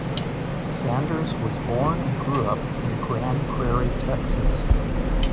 Sanders was born and grew up in Grand Prairie, Texas.